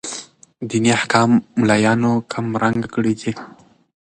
ديني احكام ملايانو کم رنګه کړي دي.